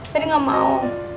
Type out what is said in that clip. jadi gak mau